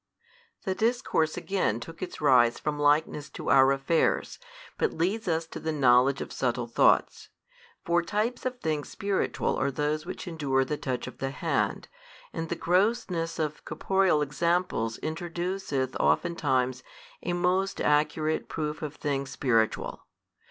The discourse again took its rise from likeness to our affairs, but leads us to the knowledge of subtle thoughts. For types of things spiritual are those which endure the touch of the hand, and the grossness of corporeal examples introduceth oftentimes a most accurate proof of things |182 spiritual.